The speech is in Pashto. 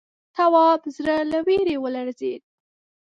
تواب زړه له وېرې ولړزېد.